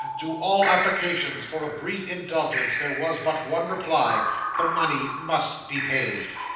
To all applications for a brief indulgence, there was but one reply the money must be paid.